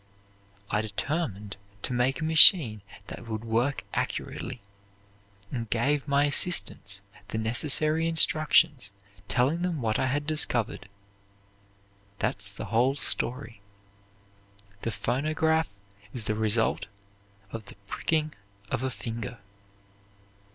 I determined to make a machine that would work accurately, and gave my assistants the necessary instructions, telling them what I had discovered. That's the whole story. The phonograph is the result of the pricking of a finger."